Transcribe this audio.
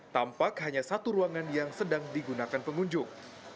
tampak hanya satu ruangan yang sedang digunakan pengunjung